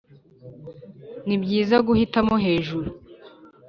nibyiza guhitamo hejuru